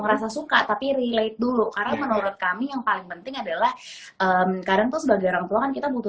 assalamualaikum wr wb